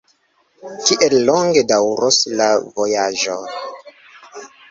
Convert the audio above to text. Kiel longe daŭros la vojaĝo?